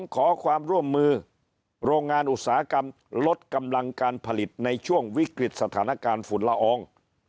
ขอความร่วมมือโรงงานอุตสาหกรรมลดกำลังการผลิตในช่วงวิกฤตสถานการณ์ฝุ่นละออง